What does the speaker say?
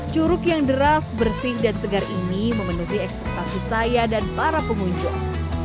curug yang deras bersih dan segar ini memenuhi ekspektasi saya dan para pengunjung